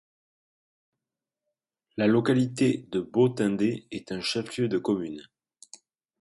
La localité de Botindé est un chef-lieu de commune.